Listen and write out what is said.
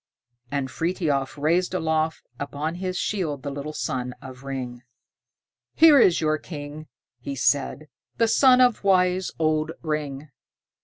And Frithiof raised aloft upon his shield the little son of Ring. "Here is your king," he said, "the son of wise old Ring."